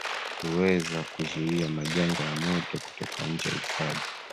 huweza kuzuia majanga ya moto kutoka nje ya hifadhi